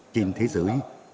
trên thế giới